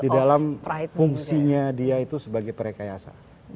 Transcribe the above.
di dalam fungsinya dia itu sebagai perekayasa